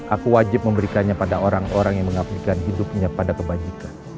aku wajib memberikannya pada orang orang yang mengabdikan hidupnya pada kebajikan